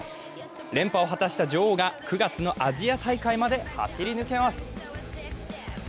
連覇を果たした女王が９月のアジア大会まで走り抜けます。